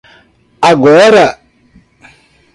Agora